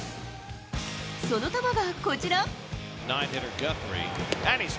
その球がこちら。